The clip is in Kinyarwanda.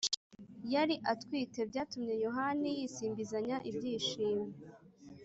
yari atwite, byatumye “yohani yisimbizanya ibyishimo